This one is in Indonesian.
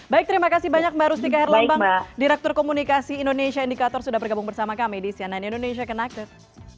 baik terima kasih banyak mbak rustika herlambang direktur komunikasi indonesia indikator sudah bergabung bersama kami di cnn indonesia connected